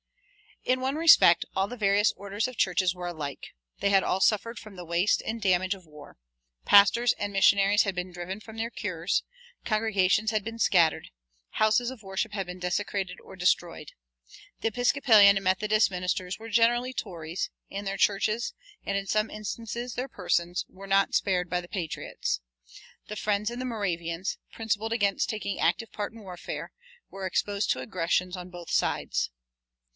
In one respect all the various orders of churches were alike. They had all suffered from the waste and damage of war. Pastors and missionaries had been driven from their cures, congregations had been scattered, houses of worship had been desecrated or destroyed. The Episcopalian and Methodist ministers were generally Tories, and their churches, and in some instances their persons, were not spared by the patriots. The Friends and the Moravians, principled against taking active part in warfare, were exposed to aggressions from both sides.